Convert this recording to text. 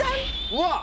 うわっ！